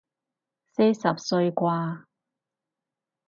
四十歲啩